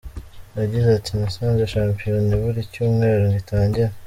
Yagize ati:"Nasanze Shampiyona ibura icyumweru ngo itangire.